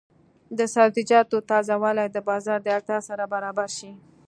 د سبزیجاتو تازه والي د بازار د اړتیا سره برابر شي.